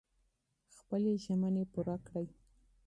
خپلې ژمنې پوره کړئ.